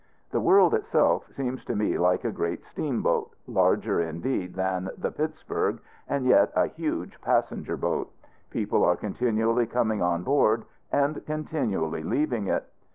The world, itself, seems to me like a great steamboat larger, indeed, than the Pittsburg, and yet a huge passenger boat. People are continually coming on board, and continually leaving it.